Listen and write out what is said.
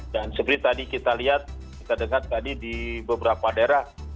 dan seperti tadi kita lihat kita dengar tadi di beberapa daerah